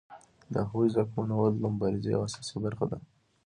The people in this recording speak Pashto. د هغوی ځواکمنول د مبارزې یوه اساسي برخه ده.